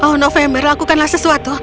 oh november lakukanlah sesuatu